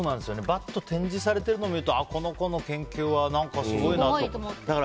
バッと展示されているのを見ると、この子の研究は何かすごいなとか。